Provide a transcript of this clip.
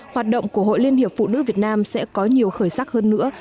hoạt động của hội liên hiệp phụ nữ việt nam sẽ có nhiều khởi sắc hơn nữa